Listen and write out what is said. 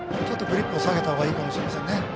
ちょっとグリップ下げたほうがいいかもしれませんね。